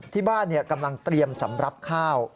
ที่บ้านกำลังเตรียมสำหรับข้าว